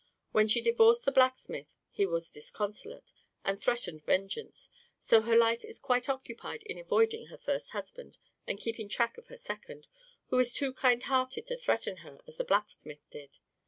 When she divorced the blacksmith he was disconsolate, and threatened vengeance; so her life is quite occupied in avoiding her first husband and keeping track of her second, who is too kind hearted to threaten her as the blacksmith did.